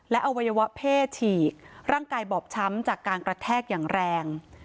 และอวัยวะเพศฉีกร่างกายบอบช้ำจากการกระแทกอย่างแรง